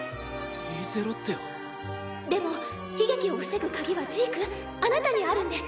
でも悲劇を防ぐ鍵はジークあなたにあるんです。